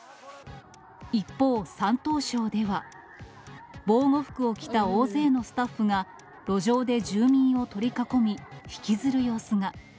一方、山東省では、防護服を着た大勢のスタッフが、路上で住民を取り囲み、引きずる様子が。